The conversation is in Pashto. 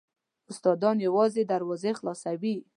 استادان یوازې دروازې خلاصوي .